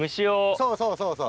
そうそうそうそう